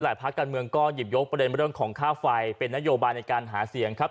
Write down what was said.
ภาคการเมืองก็หยิบยกประเด็นเรื่องของค่าไฟเป็นนโยบายในการหาเสียงครับ